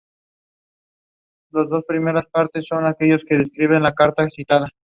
Está protagonizada por Thomas Brodie-Sangster, Sheila Hancock, Aaron Taylor-Johnson, Daisy Head y Dorian Healy.